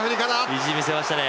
意地を見せましたね。